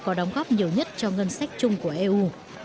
có đóng góp nhiều nhất cho ngân sách chung của eu